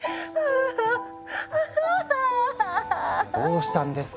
どうしたんですか？